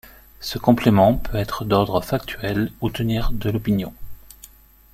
Ce complément peut être d'ordre factuel, ou tenir de l'opinion.